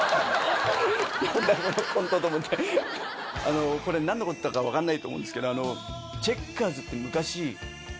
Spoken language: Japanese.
あのこれ何のことだか分かんないと思うんですけどチェッカーズって昔。